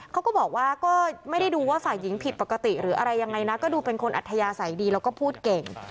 เขาก็บอกว่าก็ไม่ได้ดูว่าฝ่ายหญิงผิดปกติหรืออะไรยังไงนะก็ดูเป็นคนอัธยาศัยดีแล้วก็พูดเก่ง